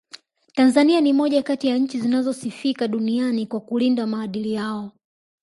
Tanzania ni moja kati ya nchi zinazosifika duniani kwa kulinda maadili yao